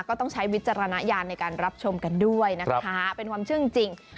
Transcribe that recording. ต้องใช้วิจารณญาณในการรับชมกันด้วยนะคะเป็นความเชื่อจริง